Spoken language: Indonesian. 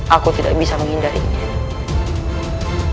aku tidak bisa menghindarinya